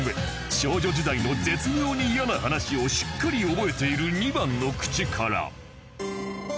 少女時代の絶妙に嫌な話をしっかり覚えている２番のクチから